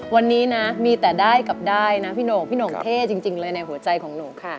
วันนี้นะมีแต่ได้กับได้นะพี่โหน่งพี่โหน่งเท่จริงเลยในหัวใจของหนูค่ะ